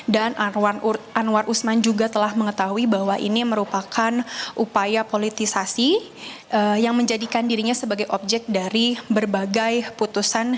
dan anwar usman juga telah mengetahui bahwa ini merupakan upaya politisasi yang menjadikan dirinya sebagai objek dari berbagai putusan